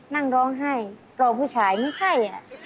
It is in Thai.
นั่งร้องไห้รอผู้ชายไม่ใช่